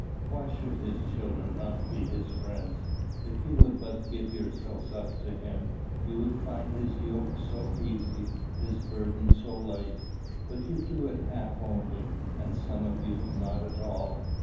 Why should his children not be his friends? If you would but give yourselves up to him, you would find his yoke so easy, his burden so light! But you do it half only, and some of you not at all.